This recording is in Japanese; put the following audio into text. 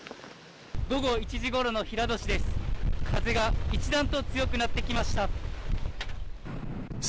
午後１時ごろの平戸市です。